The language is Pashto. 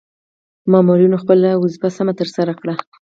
مامورنیو خپله دنده سمه ترسره کړه.